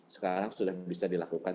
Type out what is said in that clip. sekarang sudah bisa dilakukan